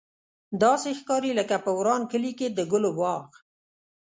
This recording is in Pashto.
داسې ښکاري لکه په وران کلي کې د ګلو باغ.